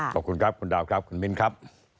ขอบคุณครับคุณดาวครับคุณมิ้นครับ